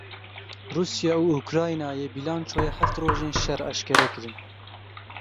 Rûsya û Ukraynayê bîlançoya heft rojên şer eşkere kirin.